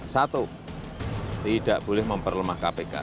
satu tidak boleh memperlemah kpk